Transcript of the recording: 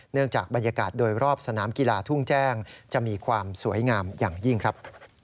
จากบรรยากาศโดยรอบสนามกีฬาทุ่งแจ้งจะมีความสวยงามอย่างยิ่งครับ